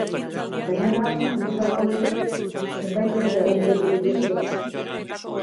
Gainera, abendurako ere zenbait greba egun deitu dituzte.